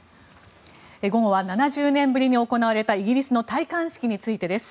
午後は７０年ぶりに行われたイギリスの戴冠式についてです。